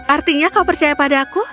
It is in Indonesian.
artinya kau percaya pada aku